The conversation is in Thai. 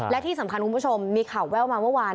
และที่สำคัญคุณผู้ชมมีข่าวแววมาเมื่อวาน